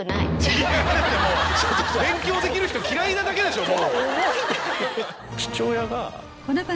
勉強できる人嫌いなだけでしょ！